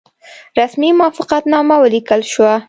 رسمي موافقتنامه ولیکل شوه.